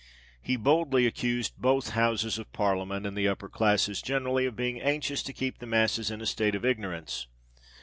He boldly accused both Houses of Parliament and the upper classes generally of being anxious to keep the masses in a state of ignorance.